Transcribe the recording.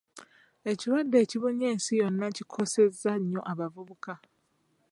Ekirwadde ekibunye ensi yonna kikosezza nnyo abavubuka.